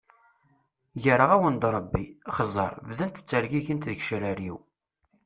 Greɣ-awen-d Rebbi, xẓer, bdant ttergigint tgecrar-iw.